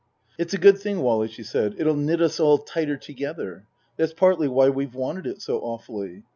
" It's a good thing, Wally," she said. " It'll knit us all tighter together. That's partly why we've wanted it so awfully.